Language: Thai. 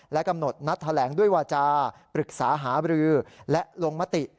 และกำหนดนัดแถลงด้วยวาจาปรึกษาหาบรือและลงมติ